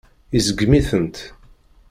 Iseggem-itent.